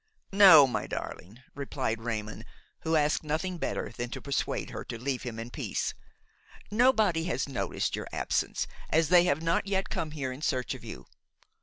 "No, my darling," replied Raymon, who asked nothing better than to persuade her to leave him in peace. "Nobody has noticed your absence, as they have not yet come here in search of you.